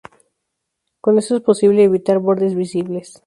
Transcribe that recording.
Con eso, es posible evitar bordes visibles.